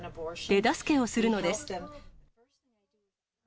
手助けをするのです。